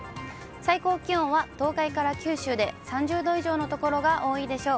最高気温は東海から九州で３０度以上の所が多いでしょう。